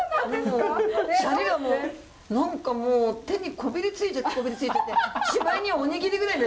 シャリが何かもう手にこびりついちゃってこびりついててしまいにはお握りぐらいに。